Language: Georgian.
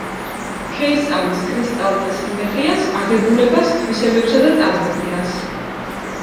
შეისწავლის კრისტალთა სიმეტრიას, აგებულებას, თვისებებსა და წარმოქმნას.